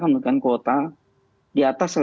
menggunakan kuota di atas